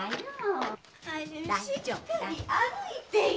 しっかり歩いてよ。